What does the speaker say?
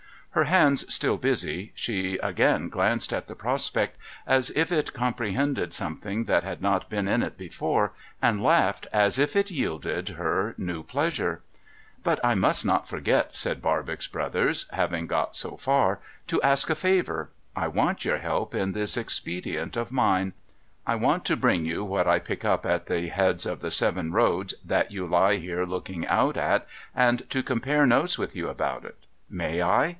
Her hands still busy, she again glanced at the prospect, as if it comi)rehcnded something that had not been in it before, and laughed as if it yielded her new pleasure. ' But I must not forget,' said Barbox Brothers, ' (having got so far) to ask a favour. I want your help in this expedient of mine. I want to bring you what I pick up at the heads of the seven roads that you lie here looking out at, and to compare notes with you about it. May I